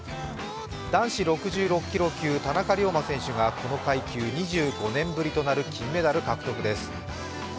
男子６６キロ級、田中龍馬選手がこの階級２５年ぶりの金メダル獲得です。